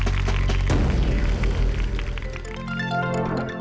สวัสดีครับ